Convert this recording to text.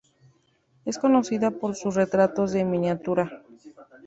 Es conocida por sus retratos de miniatura.